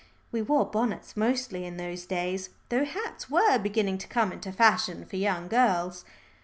We wore bonnets mostly in those days, though hats were beginning to come into fashion for young girls.